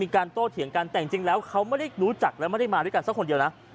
โตเถียงกันแต่จริงแล้วเขาไม่ได้รู้จักและไม่ได้มาด้วยกันสักคนเดียวนะ